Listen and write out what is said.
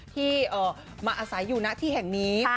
ที่มาอาศัยอยู่ณที่แห่งนี้